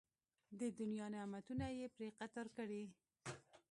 د دنیا نعمتونه یې پرې قطار کړي.